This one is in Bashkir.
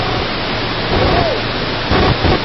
Бүләйек!